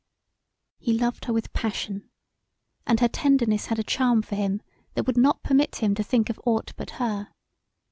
He loved her with passion and her tenderness had a charm for him that would not permit him to think of aught but her.